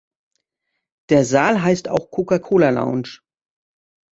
Der Saal heißt auch Coca-Cola-Lounge.